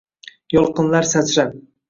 Yolqinlar sachrab